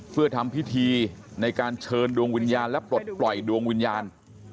เพื่อทำพิธีในการเชิญดวงวิญญาณและปลดปล่อยดวงวิญญาณ